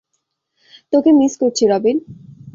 তোকে মিস করছি, রবিন।